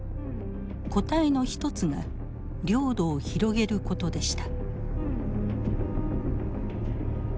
答えの一つが領土を広げることでした。